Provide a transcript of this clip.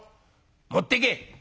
持ってけ」。